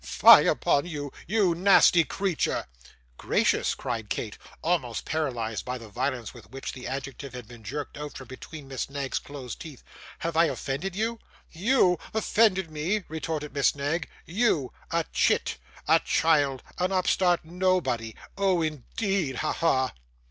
Fie upon you, you nasty creature!' 'Gracious!' cried Kate, almost paralysed by the violence with which the adjective had been jerked out from between Miss Knag's closed teeth; 'have I offended you?' 'YOU offended me!' retorted Miss Knag, 'YOU! a chit, a child, an upstart nobody! Oh, indeed! Ha, ha!